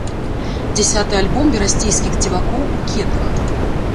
Дзясяты альбом берасцейскіх дзівакоў у кедах.